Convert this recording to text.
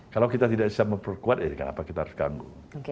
kalau kita tidak bisa memperkuat ya kenapa kita harus ganggu